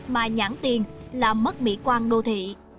mà nhãn tiền làm mất mỹ quan đô thị